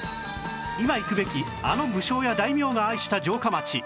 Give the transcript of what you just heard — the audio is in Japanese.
今行くべきあの武将や大名が愛した城下町